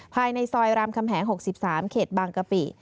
ภายในซอยรามคำแหง๖๓เขตบางกะปิ